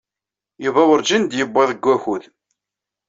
Yuba werǧin d-yewwiḍ deg wakud.